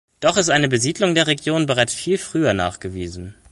Doch ist eine Besiedlung der Region bereits viel früher nachgewiesen.